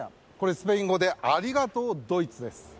スペイン語でありがとうドイツです。